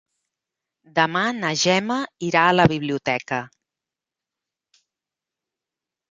Demà na Gemma irà a la biblioteca.